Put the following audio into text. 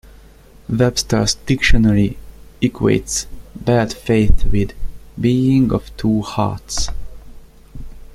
"Webster's Dictionary" equates bad faith with "being of two hearts".